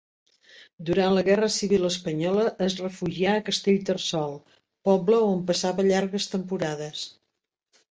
Durant la guerra civil espanyola es refugià a Castellterçol, poble on passava llargues temporades.